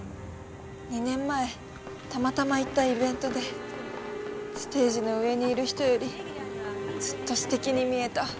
２年前たまたま行ったイベントでステージの上にいる人よりずっと素敵に見えた。